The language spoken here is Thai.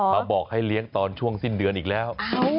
มาบอกให้เลี้ยงตอนช่วงสิ้นเดือนอีกแล้ว